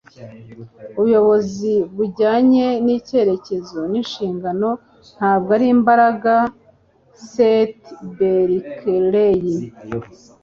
ubuyobozi bujyanye n'icyerekezo n'inshingano, ntabwo ari imbaraga. - seth berkley